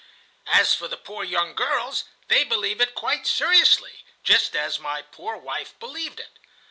As for the poor young girls, they believe it quite seriously, just as my poor wife believed it.